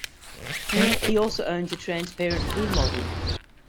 He also owns a transparent blue model.